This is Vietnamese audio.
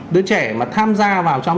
đứa trẻ mà tham gia vào trong